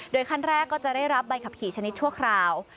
ขั้นแรกก็จะได้รับใบขับขี่ชนิดชั่วคราว